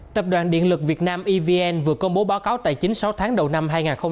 tập đoàn điện lực việt nam evn vừa công bố báo cáo tài chính sáu tháng đầu năm hai nghìn hai mươi bốn